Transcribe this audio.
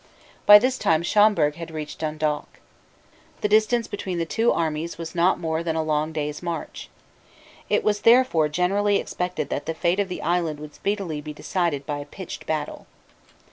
By this time Schomberg had reached Dundalk. The distance between the two armies was not more than a long day's march. It was therefore generally expected that the fate of the island would speedily be decided by a pitched battle.